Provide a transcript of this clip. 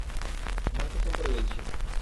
মার কসম করে বলছি!